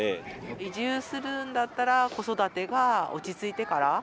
移住するんだったら、子育てが落ち着いてから。